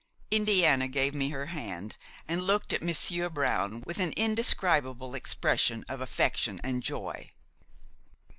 Indiana gave me her hand and looked at Monsieur Brown with an indescribable expression of affection and joy.